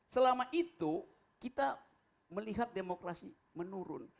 selama itu kita melihat demokrasi menurun